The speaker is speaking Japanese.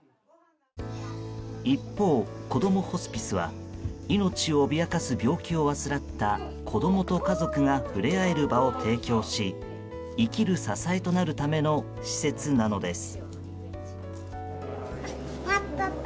一方、こどもホスピスは命を脅かす病気を患った子供と家族が触れ合える場を提供し生きる支えとなるための施設なのです。